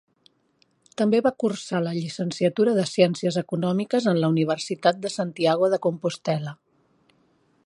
També va cursar la llicenciatura de Ciències Econòmiques en la Universitat de Santiago de Compostel·la.